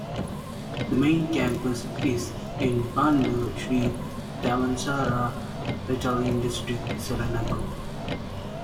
The main campus is in Bandar Sri Damansara, Petaling District, Selangor.